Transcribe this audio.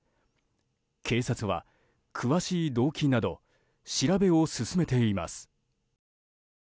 警察は詳しい動機など調べを進めています。